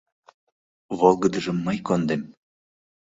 Волгыдыжым мый кондем.